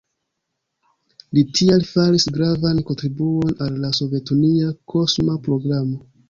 Li tial faris gravan kontribuon al la sovetunia kosma programo.